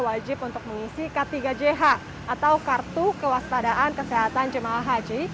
wajib untuk mengisi k tiga jh atau kartu kewaspadaan kesehatan jemaah haji